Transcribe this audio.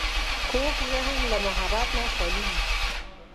کوږ ذهن له محبت نه خالي وي